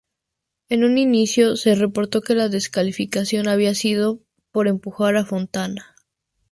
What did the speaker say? En un inició se reportó que la descalificación había sido por empujar a Fontana.